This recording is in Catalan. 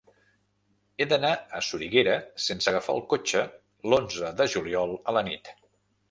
He d'anar a Soriguera sense agafar el cotxe l'onze de juliol a la nit.